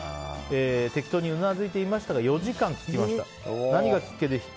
適当にうなずいていましたが４時間聞きました。